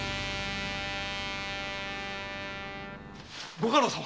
ご家老様